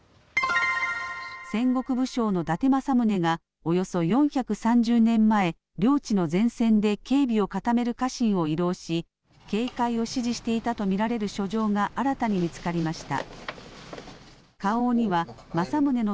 戦国武将の伊達政宗がおよそ４３０年前、領地の前線で警備を固める家臣を慰労し、警戒を指示していたと見られる書状が新たに見つかりました。